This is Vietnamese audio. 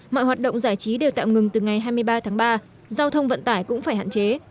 mọi hoạt động giải trí đều tạm ngừng từ ngày hai mươi ba tháng ba giao thông vận tải cũng phải hạn chế